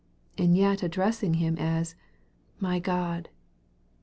and yet addressing Him as " my God."